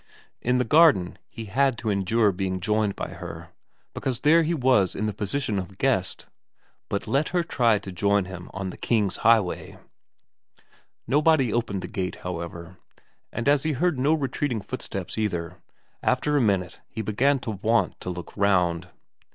In the garden he had to endure being joined by her, because there he was in the position of guest ; but let her try to join him on the King's highway ! Nobody opened the gate, however, and, as he heard no retreating footsteps either, after a minute he began to want to look round.